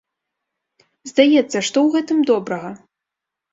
Здаецца, што ў гэтым добрага?